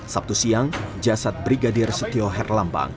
sabtu siang jasad brigadir setio herlambang